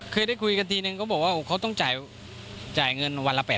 เคยได้คุยกันทีนึงเขาบอกว่าเขาต้องจ่ายเงินวันละ๘๐๐